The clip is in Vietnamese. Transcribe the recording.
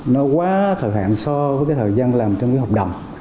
nó quá thời hạn so với cái thời gian làm trong cái hợp đồng